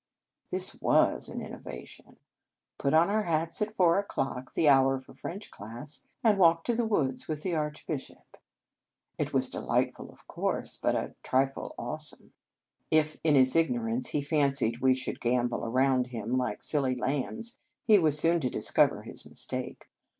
This was an innovation,! Put on our hats at four o clock the hour for French class and walk to the woods with the Archbishop. It was delightful, of course, but a trifle awe some. If, in his ignorance, he fancied we should gambol around him like silly lambs, he was soon to discover his mistake.